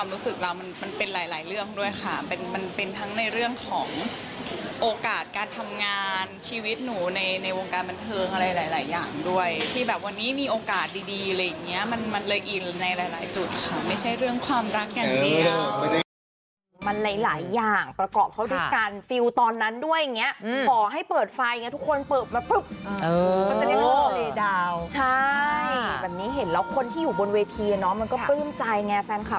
รู้สึกตัวเองเหมือนเป็นนักร้องมาก